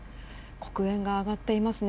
黒煙が上がっていますね。